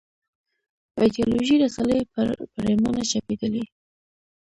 ایدیالوژیکې رسالې پرېمانه چاپېدلې.